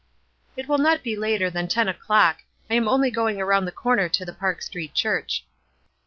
" It will not be later than ten o'clock. I am only going around the corner to the Park Street Church."